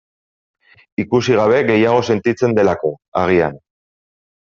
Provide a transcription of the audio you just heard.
Ikusi gabe gehiago sentitzen delako, agian.